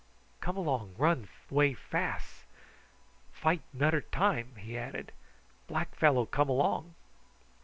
Come along run way fas. Fight nunner time o," he added. "Black fellow come along."